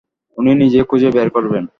উনি নিজেই খুঁজে বের করবেন।